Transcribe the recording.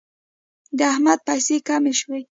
د احمد پیسې کمې شوې.